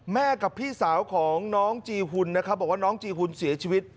กับพี่สาวของน้องจีหุ่นนะครับบอกว่าน้องจีหุ่นเสียชีวิต